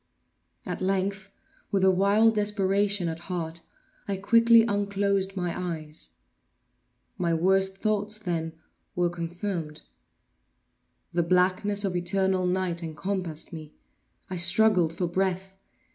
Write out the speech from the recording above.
At length, with a wild desperation at heart, I quickly unclosed my eyes. My worst thoughts, then, were confirmed. The blackness of eternal night encompassed me. I struggled for breath.